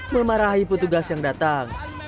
memarahi petugas yang datang